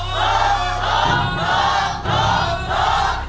ถูกฆ่าแรก